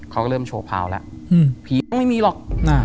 เขาก็เริ่มโชว์พาวแล้วผีก็ไม่มีหรอก